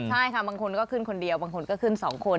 ใช่ค่ะบางคนก็ขึ้นคนเดียวบางคนก็ขึ้น๒คน